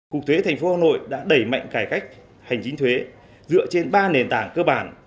cục thuế tp hcm đã đẩy mạnh cải cách hành chính thuế dựa trên ba nền tảng cơ bản